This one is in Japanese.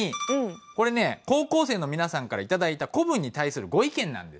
これね高校生の皆さんから頂いた古文に対するご意見なんです。